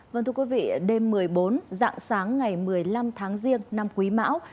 vâng thưa quý vị đêm một mươi bốn dạng sáng ngày một mươi năm tháng riêng năm quý mão